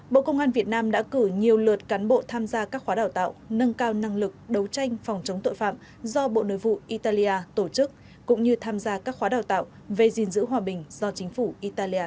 bộ công an việt nam đã cử nhiều lượt cán bộ tham gia các khóa đào tạo nâng cao năng lực đấu tranh phòng chống tội phạm do bộ nội vụ italia